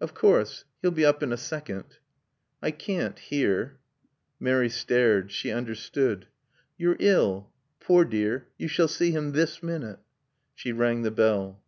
"Of course. He'll be up in a second " "I can't here." Mary stared. She understood. "You're ill. Poor dear, you shall see him this minute." She rang the bell.